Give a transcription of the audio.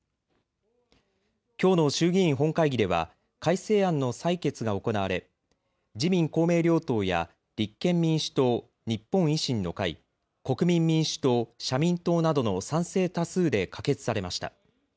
きょうの衆議院本会議では改正案の採決が行われ自民・公明両党や立憲民主党、日本維新の会、国民民主党、社民党などの賛成多数で可決されました。